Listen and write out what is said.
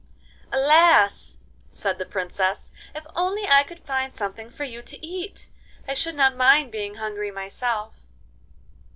'Alas!' said the Princess, 'if only I could find something for you to eat, I should not mind being hungry myself.